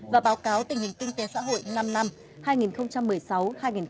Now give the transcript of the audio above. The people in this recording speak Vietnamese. và báo cáo tình hình kinh tế xã hội